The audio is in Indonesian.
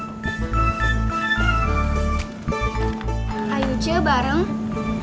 nih si icok dia udah berangkat